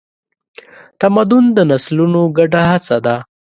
تمدن د نسلونو ګډه هڅه ده.